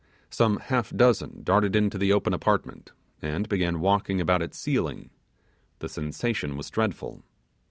Some half dozen darted into the open apartment, and began walking about its ceiling; the sensation was dreadful.